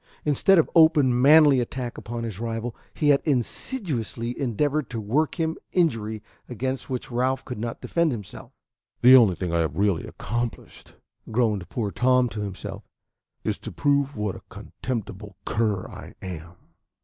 Instead of open, manly attack upon his rival, he had insidiously endeavored to work him injury against which Ralph could not defend himself. "The only thing I have really accomplished," groaned poor Tom to himself, "is to prove what a contemptible cur I am."